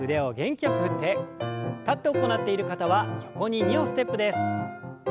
立って行っている方は横に２歩ステップです。